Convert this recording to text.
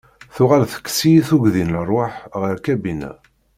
Tuɣal tekkes-iyi tuggdi n rrwaḥ ɣer lkabina.